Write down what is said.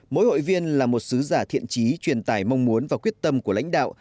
mỗi hội viên là một sứ giả thiện trí truyền tài mong muốn và quyết tâm của lãnh đạo